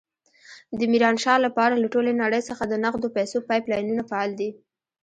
د ميرانشاه لپاره له ټولې نړۍ څخه د نقدو پيسو پایپ لاینونه فعال دي.